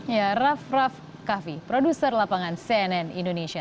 ya raff raff kaffi produser lapangan cnn indonesia